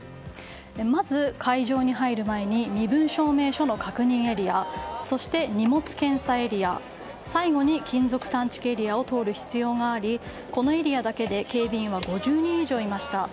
まず、会場に入る前に身分証明書の確認エリアそして荷物検査エリア最後に金属探知機エリアを通る必要がありこのエリアだけで警備員は５０人以上いました。